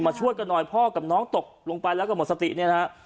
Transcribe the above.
ช่วยกันหน่อยพ่อกับน้องตกลงไปแล้วก็หมดสติเนี่ยนะฮะ